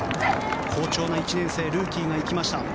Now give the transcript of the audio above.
好調の１年生ルーキーが行きました。